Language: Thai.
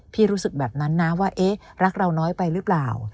รู้สึกแบบนั้นนะว่าเอ๊ะรักเราน้อยไปหรือเปล่า